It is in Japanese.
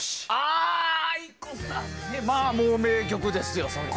まあもう、名曲ですよ。